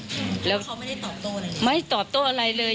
เขาไม่ได้ตอบโตอะไรอย่างนี้ไม่ตอบโตอะไรเลย